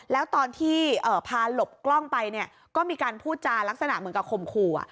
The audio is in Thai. แล้วตอนที่พาหลบกล้องไปเนี่ยก็มีการพูดจารักษณะเหมือนกับข่มขู่